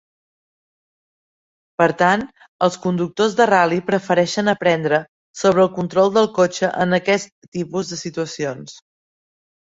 Per tant, els conductors de ral·li prefereixen aprendre sobre el control del cotxe en aquest tipus de situacions.